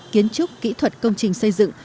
kiến trúc kỹ thuật công trình xây dựng